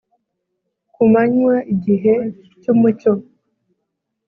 ku manywa igihe cy'umucyo